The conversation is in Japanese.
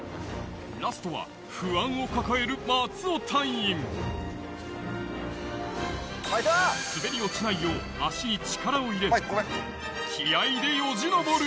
ラストは不安を抱える松尾隊員滑り落ちないよう足に力を入れ気合でよじ登る！